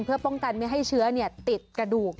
เพื่อป้องกันไม่ให้เชื้อติดกระดูก